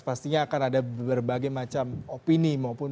pastinya akan ada berbagai macam opini maupun